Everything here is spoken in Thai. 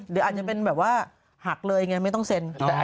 เดี๋ยวอาจจะเป็นแบบว่าหักเลยไงไม่ต้องเซ็น